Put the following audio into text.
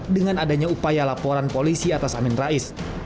dengan adanya upaya laporan polisi atas amin rais